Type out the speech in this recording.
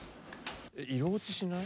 えっ色落ちしない？